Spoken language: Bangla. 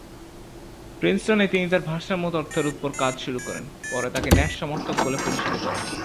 প্রিন্সটন-এ, তিনি তার ভারসাম্য তত্ত্বের উপর কাজ শুরু করেন, পরে তাকে ন্যাশ সমার্থক বলে পরিচিত করেন।